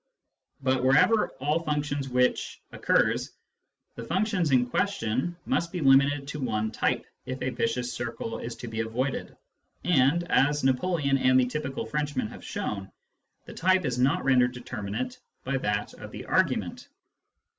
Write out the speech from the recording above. But wherever " all functions which " occurs, the functions in question must be limited to one type if a vicious circle is to be avoided ; and, as Napoleon and the typical Frenchman have shown, the type is not rendered determinate by that of the argument.